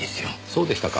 そうでしたか。